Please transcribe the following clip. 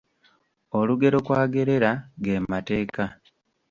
Olugero kw'agerera, ge mateeka.